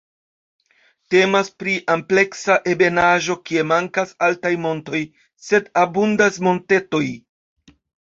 Temas pri ampleksa ebenaĵo kie mankas altaj montoj, sed abundas montetoj.